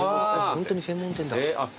ホントに専門店だ。